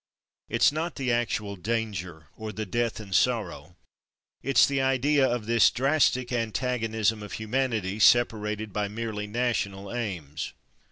It's not the actual danger or the death and sorrow, it's the idea of this drastic antagon ism of humanity, separated by merely na tional aims.